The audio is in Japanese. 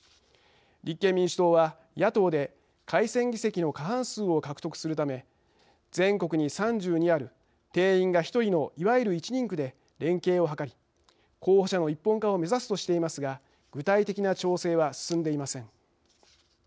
立憲民主党は野党で改選議席の過半数を獲得するため全国に３２ある定員が１人のいわゆる１人区で連携を図り候補者の一本化を目指すとしていますが具体的な調整は進んでいません。